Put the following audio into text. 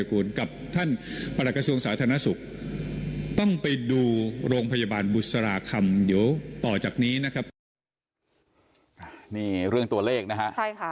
รวมทั้งลดอัตราการเสียชีวิตด้วยซึ่งนี่เป็นหลักวิทยาศาสตร์ที่พิสูจน์ได้